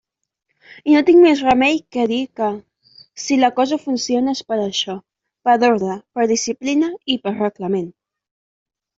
I no tinc més remei que dir que, si la cosa funciona, és per això, per ordre, per disciplina i per reglament.